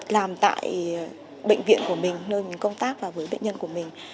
làm tại bệnh viện của mình nơi mình công tác và với bệnh nhân của mình